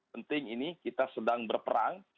penting ini kita sedang berperang